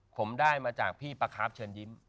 ผมได้มาจากพี่ปะครับเชิญยิ้ม